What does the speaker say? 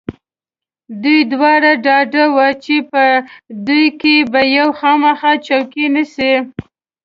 دوی دواړه ډاډه و چې په دوی کې به یو خامخا چوکۍ نیسي.